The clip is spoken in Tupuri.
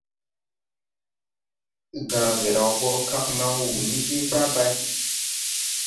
Gããgé raw boʼo kag man wuu ni je tabay.